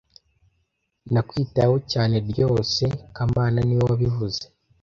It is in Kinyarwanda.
Nakwitayeho cyane ryose kamana niwe wabivuze